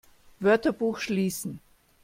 Wörterbuch schließen!